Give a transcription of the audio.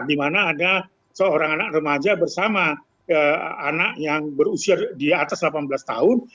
di mana ada seorang anak remaja bersama anak yang berusia di atas delapan belas tahun